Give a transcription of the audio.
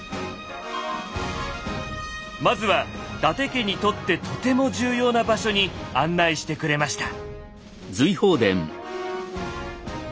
まずは伊達家にとってとても重要な場所に案内してくれました。